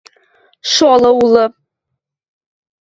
– Шолы улы...